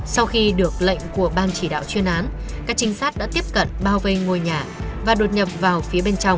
sau khi được lệnh của bang chỉ đạo chuyên án các trinh sát đã tiếp cận bao vây ngôi nhà và đột nhập vào phía bên trong